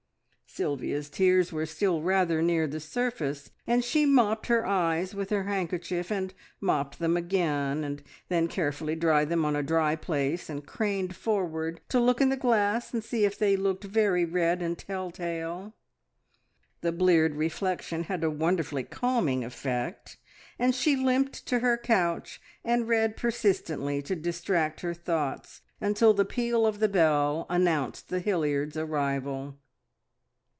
Sylvia's tears were still rather near the surface, and she mopped her eyes with her handkerchief, and mopped them again, and then carefully dried them on a dry place, and craned forward to look in the glass and see if they looked very red and tell tale. The bleared reflection had a wonderfully calming effect, and she limped to her couch and read persistently to distract her thoughts, until the peal of the bell announced the Hilliards' arrival.